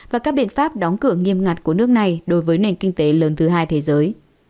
và các biện pháp đóng cửa nghiêm ngặt của nước này đối với nền kinh tế lớn thứ hai thế giới